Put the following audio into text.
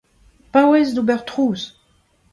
Paouez d’ober trouz !